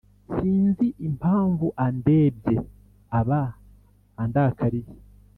Sinzi impamvu iyo andebye aba andakariye